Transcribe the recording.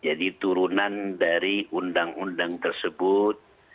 jadi turunan dari undang undang tersebut